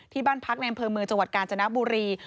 บ้านพักในอำเภอเมืองจังหวัดกาญจนบุรี